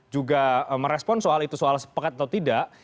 juga merespon soal itu soal sepakat atau tidak